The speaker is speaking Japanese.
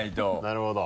なるほど。